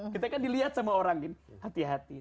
kita kan dilihat sama orang hati hati